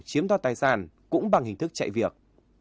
chiếm đoạt tài sản cũng bằng hình thức chạy việc